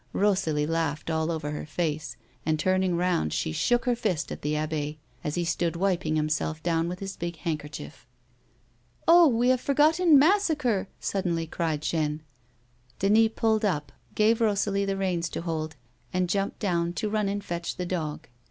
Eosalie laughed all over her face, and turning roimd, she shook her fist at the abbe as he stood wiping himself down with his big handkerchief. " Oh, we have forgotten Massacre !" suddenly cried Jeanne. Denis pulled \ip, gave Eosalie the reins to hold, and jumped down to run and fetch the dog.